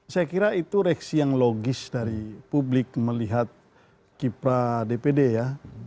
saya kira itu reaksi yang logis dari publik melihat kiprah dpd ya